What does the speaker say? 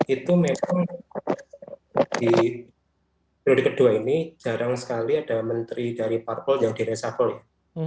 itu memang di meniri kedua ini jarang sekali ada menteri dari partpol yang direshuffle ya